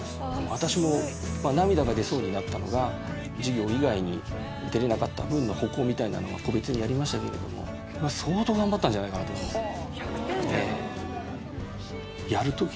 私も涙が出そうになったのが授業以外に出れなかった分の補講みたいなのは個別にやりましたけれども相当頑張ったんじゃないかなと思いますね。